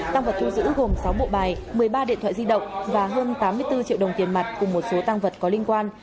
tăng vật thu giữ gồm sáu bộ bài một mươi ba điện thoại di động và hơn tám mươi bốn triệu đồng tiền mặt cùng một số tăng vật có liên quan